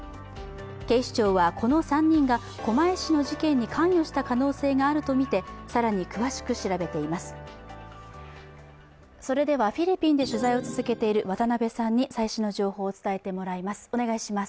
警視庁はこの３人が狛江市の事件に関与した可能性があるとみて更に詳しく調べています。